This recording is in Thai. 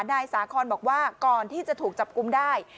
นายสาคอนบอกว่าก่อนที่จะถูกจับกุมได้